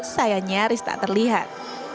saya nyaris tak terlihat